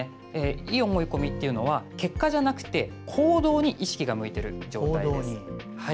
いい思い込みというのは結果じゃなくて行動に意識が向いている状態です。